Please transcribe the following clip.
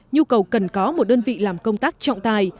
nhu cầu cần có một đơn vị làm công tác trọng tài